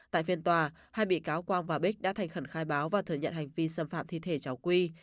tại phiên tòa hai bị cáo quang và bích đã thành khẩn khai báo và thừa nhận hành vi xâm phạm thi thể cháu quy